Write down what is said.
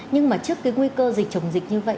nhưng mà trước cái nguy cơ dịch chồng dịch như vậy